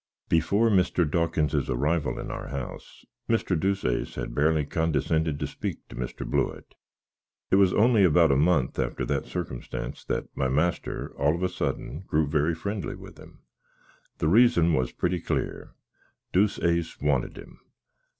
Before Mr. Dawkins's arrival in our house, Mr. Deuceace had barely condysended to speak to Mr. Blewitt: it was only about a month after that suckumstance that my master, all of a sudding, grew very friendly with him. The reason was pretty clear, Deuceace wanted him.